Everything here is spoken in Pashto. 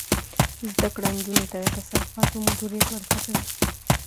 زده کړه نجونو ته د کثافاتو مدیریت ور زده کوي.